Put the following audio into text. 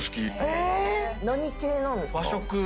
何系なんですか？